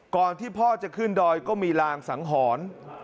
ก่อนที่พ่อจะขึ้นดอยก็มีลางสังหรณ์